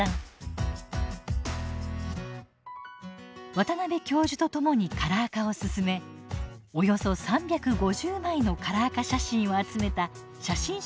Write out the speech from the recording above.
渡邉教授とともにカラー化を進めおよそ３５０枚のカラー化写真を集めた写真集を発売しました。